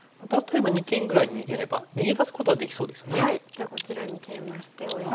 じゃあこちらにケイマしておいて。